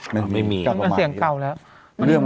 เสียงเก่าแล้ว